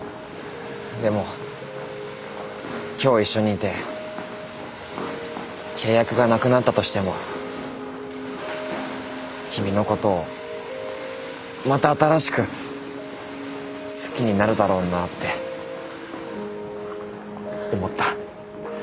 でも今日一緒にいて契約がなくなったとしても君のことをまた新しく好きになるだろうなって思った。